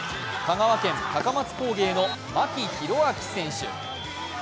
香川県高松工芸の牧大晃選手。